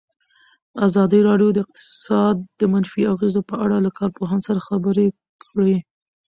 ازادي راډیو د اقتصاد د منفي اغېزو په اړه له کارپوهانو سره خبرې کړي.